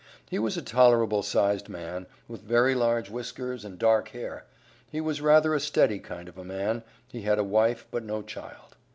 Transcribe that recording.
He was a tolerable sized man, with very large whiskers, and dark hair; he was rather a steady kind of a man, he had a wife, but no child.